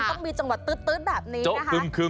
ต้องมีจังหวัดตื๊ดแบบนี้นะคะ